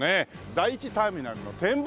第１ターミナルの展望